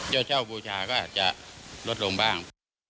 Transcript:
เจ้าเช่าบูชาก็อาจจะลดลงบ้าง